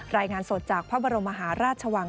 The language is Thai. รายงานสดจากพระบรมมหาราชวัง